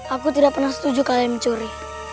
aku tidak pernah setuju kalian mencuri